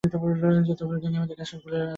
আমার কাছে cassette player আছে।